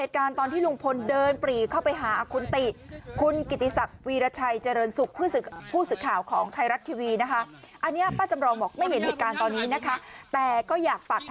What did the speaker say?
ก็เพราะรุงพลเครียด